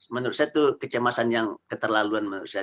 menurut saya itu kecemasan yang keterlaluan menurut saya